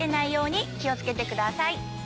気を付けてください。